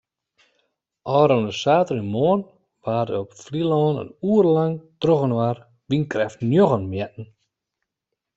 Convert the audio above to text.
Ofrûne saterdeitemoarn waard op Flylân in oere lang trochinoar wynkrêft njoggen metten.